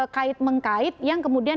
kait mengkait yang kemudian